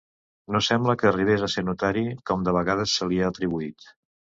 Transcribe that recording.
No sembla que arribés a ser notari, com de vegades se li ha atribuït.